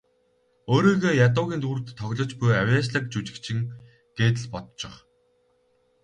Өөрийгөө ядуугийн дүрд тоглож буй авъяаслагжүжигчин гээд л бодчих.